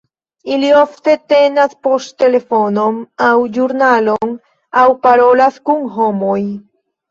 Ili ofte tenas poŝtelefonon, aŭ ĵurnalon, aŭ parolas kun homoj.